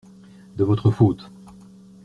De votre faute.